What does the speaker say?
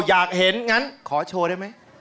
อยากเห็นก็โชว์ได้ไหม